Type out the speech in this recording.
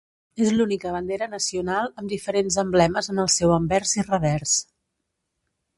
És l'única bandera nacional amb diferents emblemes en el seu anvers i revers.